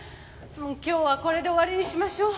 今日はこれで終わりにしましょう。